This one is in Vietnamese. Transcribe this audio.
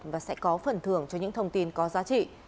và sẽ có phần thưởng cho những thông tin có giá trị